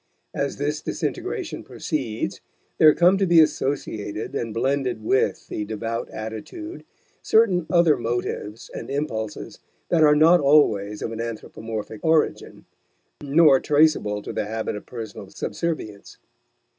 As this disintegration proceeds, there come to be associated and blended with the devout attitude certain other motives and impulses that are not always of an anthropomorphic origin, nor traceable to the habit of personal subservience.